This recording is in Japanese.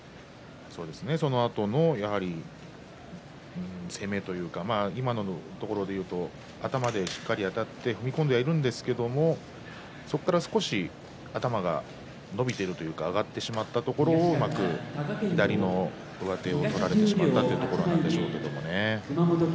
そのあとの攻めというか今のところで言うと頭でしっかりあたって踏み込んでは、いるんですけれどそこから少し頭が伸びているというか上がってしまったところをうまく左の上手を与えてしまったというところなんでしょうけれどもね。